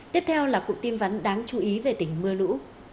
tiếp theo là cục tin vắn đáng chú ý về tỉnh mưa lũ